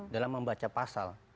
dalam membaca pasal